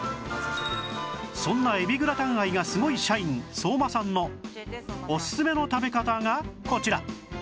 そんなえびグラタン愛がすごい社員相馬さんのオススメの食べ方がこちら